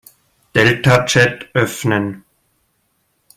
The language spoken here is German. Deltachat öffnen.